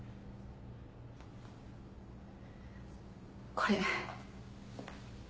これ。